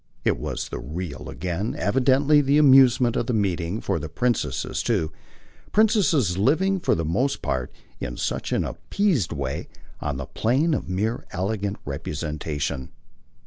It was the real again, evidently, the amusement of the meeting for the princess too; princesses living for the most part, in such an appeased way, on the plane of mere elegant representation.